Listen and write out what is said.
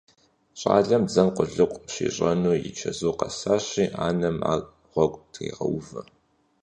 ЩӀалэм дзэм къулыкъу щищӀэну и чэзур къэсащи, анэм ар гъуэгу трегъэувэ.